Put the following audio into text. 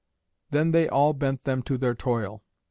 Then they all bent them to their toil.